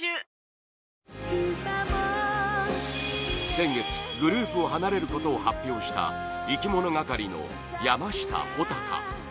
先月、グループを離れることを発表したいきものがかりの山下穂尊